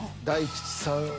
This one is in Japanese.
大吉さん。